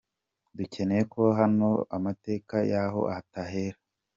Dukeneye ko hano amateka y’aho atahera.